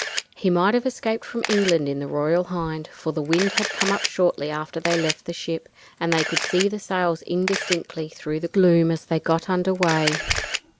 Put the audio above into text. He might have escaped from England in the Royal Hind, for the wind had come up shortly after they left the ship, and they could see the sails indistinctly through the gloom as she got under way.